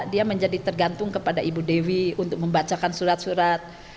dia menjadi tergantung kepada ibu dewi untuk membacakan surat surat